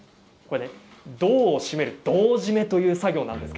胴を締める胴締めという作業です。